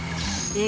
え！